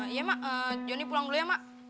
iya mak johnny pulang dulu ya mak